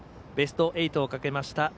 ベスト８をかけました。